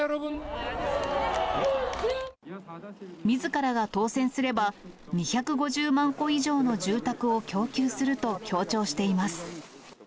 みずからが当選すれば、２５０万戸以上の住宅を供給すると強調しています。